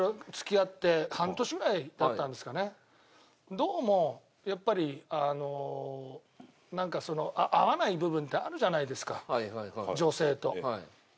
どうもやっぱりあのなんかその合わない部分ってあるじゃないですか女性と。